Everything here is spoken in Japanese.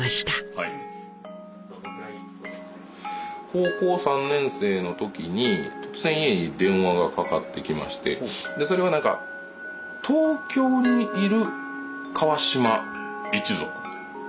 高校３年生の時に突然家に電話がかかってきましてそれはなんか東京にいる川島一族みたいな。